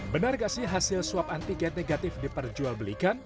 benar gak sih hasil swab antiket negatif diperjual belikan